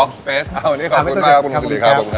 วันนี้ขอบคุณมากครับคุณกิริครับขอบคุณครับ